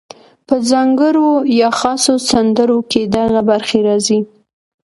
په ځانګړو یا خاصو سندرو کې دغه برخې راځي: